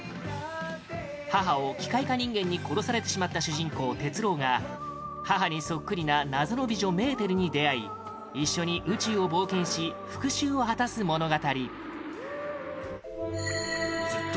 母を機械化人間に殺されてしまった主人公・鉄郎が母にそっくりな謎の美女メーテルに出会い一緒に宇宙を冒険し復讐を果たす物語